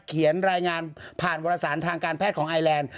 เขียนรายงานผ่านวรสารทางการแพทย์ของไอแลนด์